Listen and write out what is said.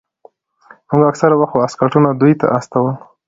موږ اکثره وخت واسکټونه دوى ته استول.